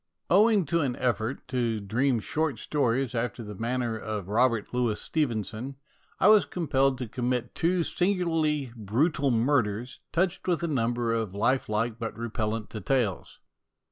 Owing to an effort to dream short stories after the manner of Robert Louis Stevenson, I was compelled to commit two singularly brutal murders, touched with a number of lifelike but repel lent details.